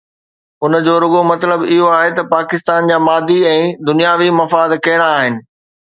ان جو رڳو مطلب اهو آهي ته پاڪستان جا مادي ۽ دنياوي مفاد ڪهڙا آهن؟